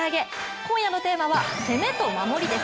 今夜のテーマは攻めと守りです。